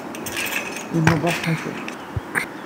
Inuḍeḥ Ḥasan.